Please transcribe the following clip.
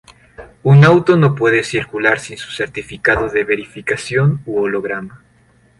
Un auto no puede circular sin su certificado de verificación u holograma.